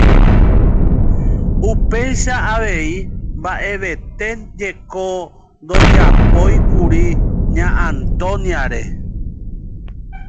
Upéicha avei mba'evete jeko ndojapóikuri Ña Antonia-re.